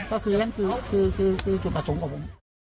ก็ดูขึ้นก็คือจุดประสงค์ของผม